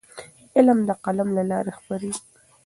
علم د قلم له لارې خپرېږي.